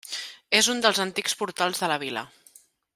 És un dels antics portals de la vila.